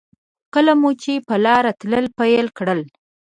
کله مو چې په لاره تلل پیل کړل.